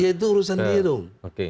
ya itu urusan dirum